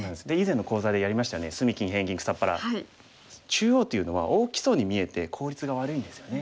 中央というのは大きそうに見えて効率が悪いんですよね。